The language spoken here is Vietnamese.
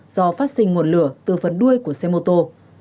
do phát sinh nguồn lửa từ phần đuôi của xe mô tô